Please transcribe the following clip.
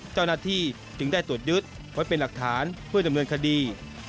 เจ้าหน้าที่จึงได้ตรวจยึดไว้เป็นหลักฐานเพื่อดำเนินคดี